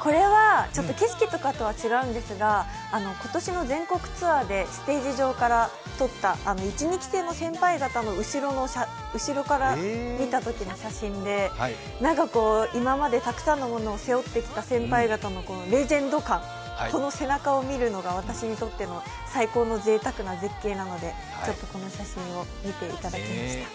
これは景色とかとは違うんですが今年の全国ツアーでステージ上から１２期生の先輩方を後ろから見たときの写真で今までたくさんのものを背負ってきた先輩方のレジェンド感、この背中を見るのが私にとっての最高のぜいたくな絶景なのでこの写真を見ていただきました。